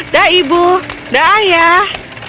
da ibu da ayah